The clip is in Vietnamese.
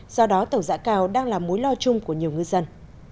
do đó tàu giã cào đang là mối lo chung của nhiều ngư dân